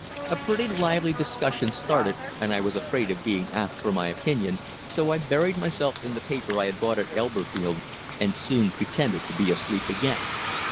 A pretty lively discussion started, and I was afraid of being asked for my opinion, so I buried myself in the paper I had bought at Elberfeld and soon pretended to be asleep again.